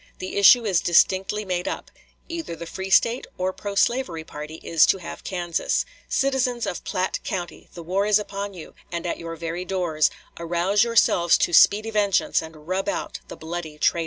The issue is distinctly made up; either the free State or pro slavery party is to have Kansas.... Citizens of Platte County! the war is upon you, and at your very doors. Arouse yourselves to speedy vengeance and rub out the bloody traitors."